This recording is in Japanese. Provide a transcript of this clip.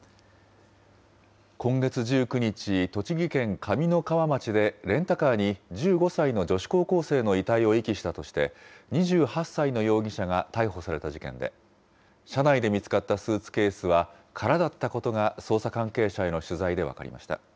今月１９日、栃木県上三川町で、レンタカーに１５歳の女子高校生の遺体を遺棄したとして、２８歳の容疑者が逮捕された事件で、車内で見つかったスーツケースは空だったことが捜査関係者への取材で分かりました。